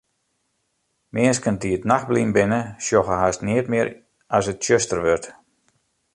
Minsken dy't nachtblyn binne, sjogge hast neat mear as it tsjuster wurdt.